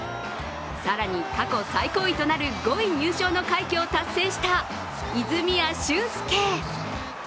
更に、過去最高位となる５位入賞の快挙を達成した泉谷駿介。